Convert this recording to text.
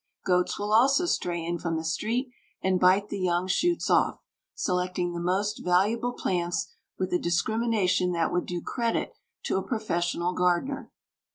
Goats will also stray in from the street, and bite the young shoots off, selecting the most valuable plants with a discrimination that would do credit to a professional gardener.